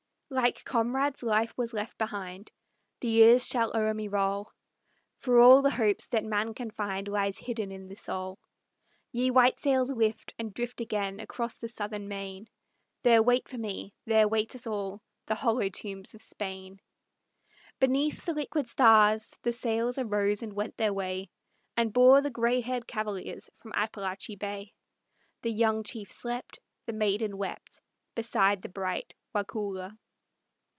"Like comrades life was left behind, the years shall o'er me roll, For all the hopes that man can find lies hidden in the soul. Ye white sails lift, and drift again across the southern main; There wait for me, there wait us all, the hollow tombs of Spain!" Beneath the liquid stars the sails Arose and went their way, And bore the gray haired cavaliers from Appalachee Bay. The young chief slept, The maiden wept, Beside the bright Waukulla.